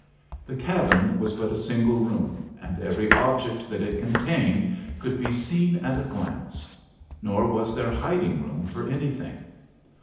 The cabin was but a single room, and every object that it contained could be seen at a glance; nor was there hiding room for anything.